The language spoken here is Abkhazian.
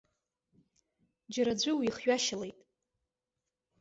Џьара аӡәы уихҩашьалеит.